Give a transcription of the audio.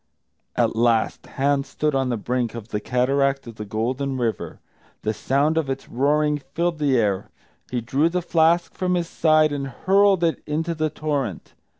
At last Hans stood on the brink of the cataract of the Golden River. The sound of its roaring filled the air. He drew the flask from his side and hurled it into the torrent.